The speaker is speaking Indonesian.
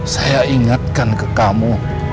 saya ingatkan ke kamu